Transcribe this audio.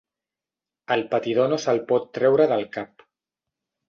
El patidor no se'l pot treure del cap.